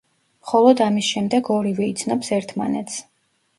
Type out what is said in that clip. მხოლოდ ამის შემდეგ ორივე იცნობს ერთმანეთს.